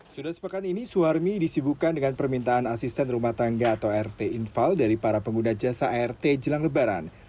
sudah sepekan ini suharmi disibukan dengan permintaan asisten rumah tangga atau rt infal dari para pengguna jasa art jelang lebaran